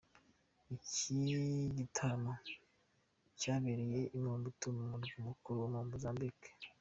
Iki gitaramo cyabereye i Maputo mu murwa mukuru wa Mozambique.